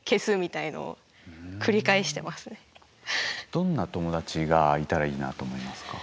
どんな友達がいたらいいなと思いますか？